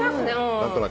何となく。